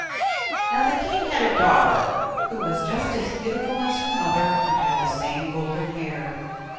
Now the king had a daughter, who was just as beautiful as her mother, and had the same golden hair.